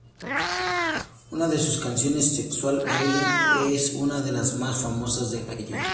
Una de sus canciones, "Sexual Healing", es una de las más famosas de Gaye.